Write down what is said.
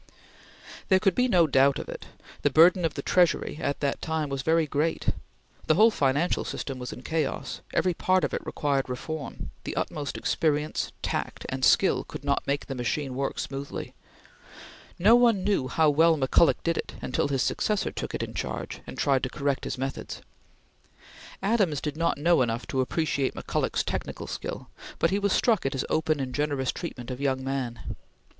There could be no doubt of it. The burden of the Treasury at that time was very great. The whole financial system was in chaos; every part of it required reform; the utmost experience, tact, and skill could not make the machine work smoothly. No one knew how well McCulloch did it until his successor took it in charge, and tried to correct his methods. Adams did not know enough to appreciate McCulloch's technical skill, but he was struck at his open and generous treatment of young men.